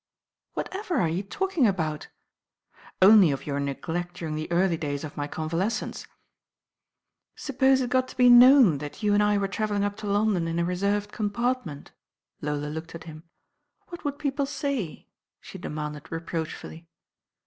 "Whatever are you talking about?" "Only of your neglect during the early days of my convalescence." "Suppose it got to be known that you and I were traveUmg up to London in a reserved compart LONDON AND LORD DREWITT tl9 i;'"*'",..^*^^' "^^^' "Whit would peo. ^\i!!I^ '^^ demanded reprotchfuUy.